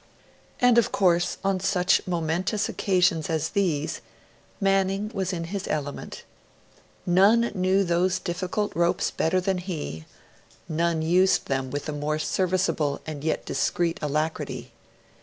And, of course, on such momentous occasions as these, Manning was in his element. None knew those difficult ropes better than he; none used them with a more serviceable and yet discreet alacrity.